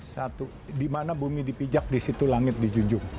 satu di mana bumi dipijak di situ langit dijunjung